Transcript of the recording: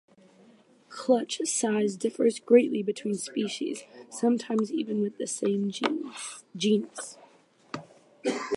Clutch size differs greatly between species, sometimes even within the same genus.